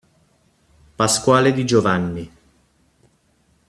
Pasquale Di Giovanni